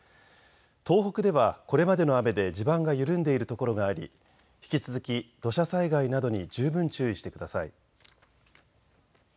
東北ではこれまでの雨で地盤が緩んでいるところがあり引き続き土砂災害などに十分注意してください。